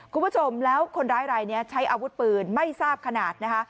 คุณผู้ชมแล้วคนร้ายรายนี้ใช้อาวุธปืนไม่ทราบขนาดนะคะ